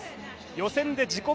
予選で自己